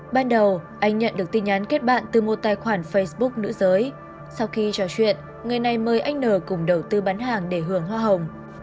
ban đầu anh nhận được tin nhắn kết bạn từ một tài khoản facebook nữ giới sau khi trò chuyện người này mời anh n cùng đầu tư bán hàng để hưởng hoa hồng